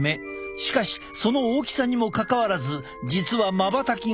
しかしその大きさにもかかわらず実はまばたきがとても少ない。